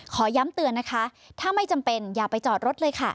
ขอย้ำเตือนนะคะถ้าไม่จำเป็นอย่าไปจอดรถเลยค่ะ